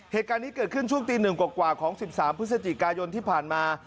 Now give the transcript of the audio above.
เหตุการณ์นี้เกิดขึ้นช่วงตี๑กว่าของ๑๓พฤศจิกายนที่ผ่านมา